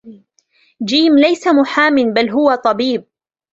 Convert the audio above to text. جيم ليس محام بل هو طبيب.